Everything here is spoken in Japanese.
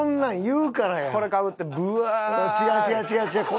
違う違う違う違う！